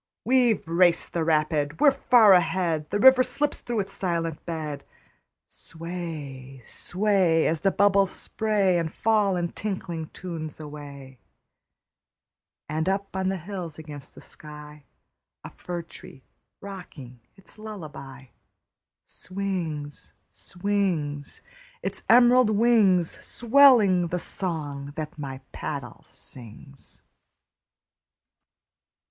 We've raced the rapid, we're far ahead! The river slips through its silent bed. Sway, sway, As the bubbles spray And fall in tinkling tunes away. And up on the hills against the sky, A fir tree rocking its lullaby, Swings, swings, Its emerald wings, Swelling the song that my paddle sings.